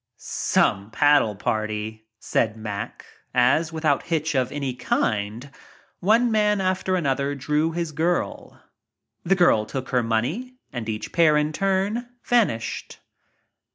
"Some paddle party," said Mack, as without hitch of any kind, one man after another drew his The girl took her money and each pair in turn vanished.